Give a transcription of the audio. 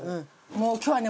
もう今日はね